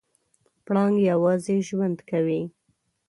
پړانګ یوازې ژوند کوي.